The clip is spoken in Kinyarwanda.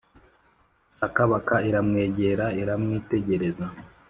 Sakabaka iramwegera, iramwitegereza,